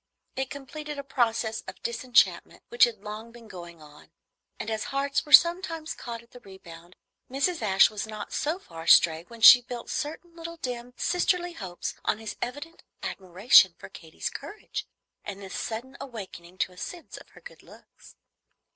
It completed a process of disenchantment which had long been going on; and as hearts are sometimes caught at the rebound, Mrs. Ashe was not so far astray when she built certain little dim sisterly hopes on his evident admiration for Katy's courage and this sudden awakening to a sense of her good looks.